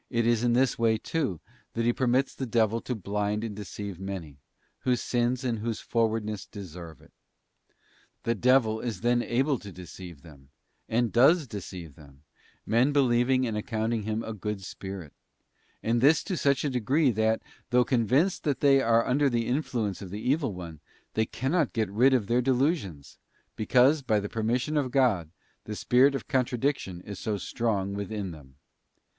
is in this way, too, that He permits the devil to blind and deceive many, whose sins and whose frowardness deserve it. The devil is then able to deceive them, and does deceive them; men believing and accounting him a good spirit, and this to such a degree, that, though convinced that they are under the influence of the evil one, they cannot get rid of their delusions; because, by the permission of God, the spirit of contradiction is so strong within them.